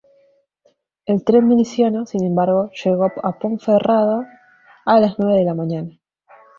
El tren miliciano, sin embargo, llegó a Ponferrada a las nueve de la mañana.